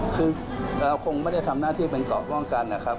คือเราคงไม่ได้ทำหน้าที่เป็นเกาะป้องกันนะครับ